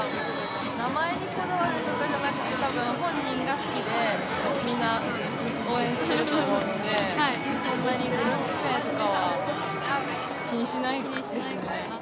名前にこだわっているんじゃなくて、たぶん本人が好きで、みんな応援してると思うので、そんなにグループ名とかは気にしないかな。